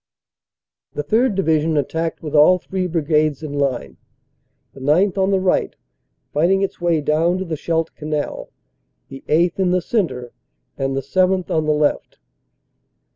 The 3rd. Division attacked with all three brigades in line, the 9th. on the right, righting its way down to the Scheldt Canal, the 8th. in the centre, and the 7th. on the left.